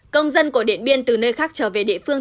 công dân của điện biên từ nơi khác trở về địa phương